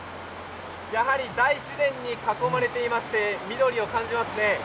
やはり大自然に囲まれていまして緑を感じますね。